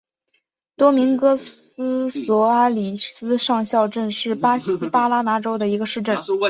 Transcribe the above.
多明戈斯索阿里斯上校镇是巴西巴拉那州的一个市镇。